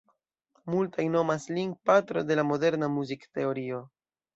Multaj nomas lin "patro de la moderna muzikteorio".